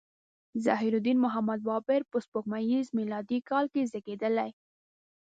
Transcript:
ظهیرالدین محمد بابر په سپوږمیز میلادي کال کې زیږیدلی.